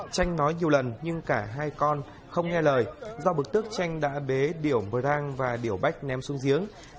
tranh nói nhiều lần nhưng cả hai con không nghe lời do bực tức tranh đã bế điểu mờ rang và điểu bách ném xuống giếng